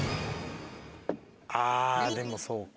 あでもそうか。